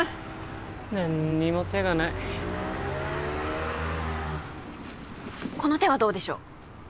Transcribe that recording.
何にも手がないこの手はどうでしょう？